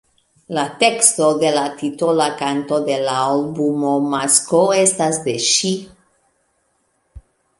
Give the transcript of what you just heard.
La teksto de la titola kanto de l‘ albumo „Masko“ estas de ŝi.